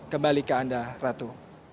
kembali ke anda ratu